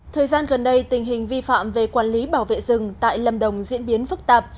thời gian gần đây tình hình vi phạm về quản lý bảo vệ rừng tại lâm đồng diễn biến phức tạp